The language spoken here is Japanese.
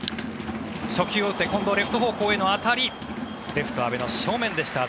初球を打って近藤、レフト方向への当たりレフトは阿部の正面でした。